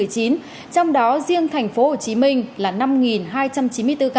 trong đó riêng thành phố hồ chí minh là năm hai trăm chín mươi bốn ca